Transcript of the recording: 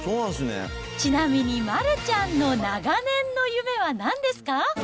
ちなみに丸ちゃんの長年の夢はなんですか？